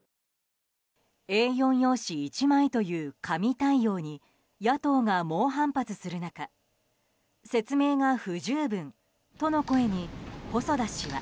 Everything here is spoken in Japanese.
Ａ４用紙１枚という紙対応に野党が猛反発する中説明が不十分との声に細田氏は。